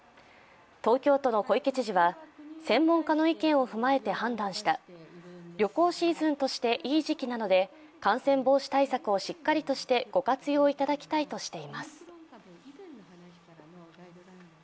東京都の小池知事は、専門家の意見を踏まえて判断した旅行シーズンとしていい時期なので感染防止対策をしっかりとしてご活用いただきたいとしています。